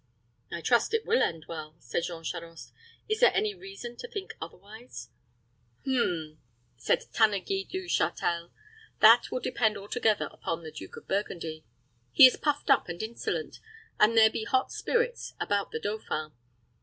"I trust it will end well," said Jean Charost "Is there any reason to think otherwise?" "Hum!" said Tanneguy du Châtel. "That will depend altogether upon the Duke of Burgundy. He is puffed up and insolent, and there be hot spirits about the dauphin.